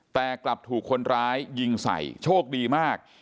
แต่กลับถูกคนร้ายยิงใส่โชคดีมาก